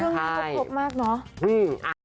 เพราะมันก็ครบมากเนาะ